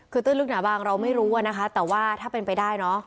คือตื้นลึกหนาบางเราไม่รู้อะนะคะแต่ว่าถ้าเป็นไปได้เนอะ